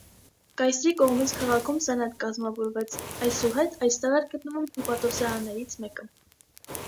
Կայսրի կողմից քաղաքում սենատ կազմավորվեց, այսուհետ այստեղ էր գտնվում հյուպատոսներից մեկը։